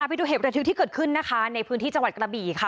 ไปดูเหตุประทึกที่เกิดขึ้นนะคะในพื้นที่จังหวัดกระบี่ค่ะ